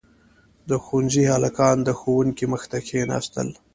• د ښونځي هلکان د ښوونکي مخې ته کښېناستل.